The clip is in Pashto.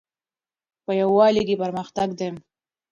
په یووالي کې پرمختګ ده